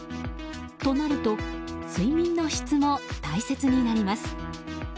となると睡眠の質も大切になります。